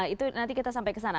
itu nanti kita sampai ke sana